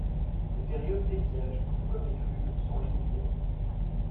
Les périodes d'étiage, tout comme les crues, sont limitées.